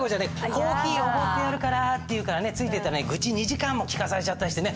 「コーヒーおごってやるから」って言うからついて行ったらねグチ２時間も聞かされちゃったりしてね。